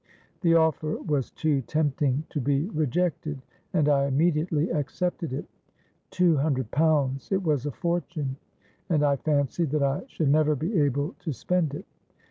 —The offer was too tempting to be rejected; and I immediately accepted it. Two hundred pounds! it was a fortune, and I fancied that I should never be able to spend it.